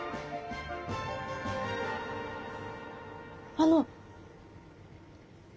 あの。